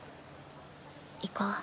行こう。